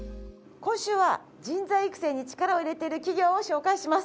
今週は人材育成に力を入れている企業を紹介します。